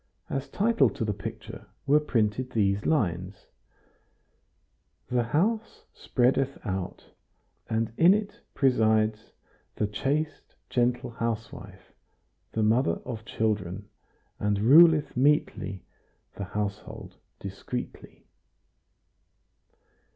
As title to the picture were printed these lines: "The house spreadeth out, And in it presides The chaste gentle housewife, The mother of children; And ruleth metely The household discreetly."